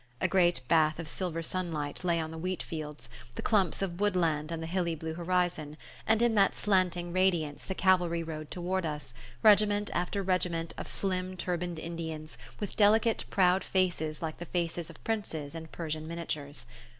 A great bath of silver sunlight lay on the wheat fields, the clumps of woodland and the hilly blue horizon, and in that slanting radiance the cavalry rode toward us, regiment after regiment of slim turbaned Indians, with delicate proud faces like the faces of Princes in Persian miniatures.